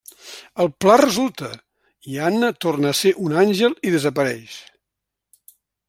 El pla resulta i Anna torna a ser un àngel i desapareix.